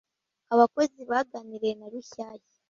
Abakozi baganiriye na Rushyashya